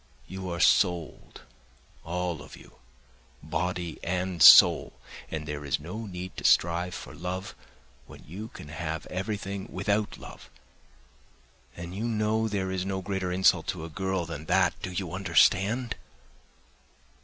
You are sold, all of you, body and soul, and there is no need to strive for love when you can have everything without love. And you know there is no greater insult to a girl than that, do you understand?